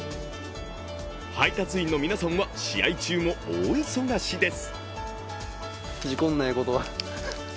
配達員の皆さんは、試合中も大忙しです。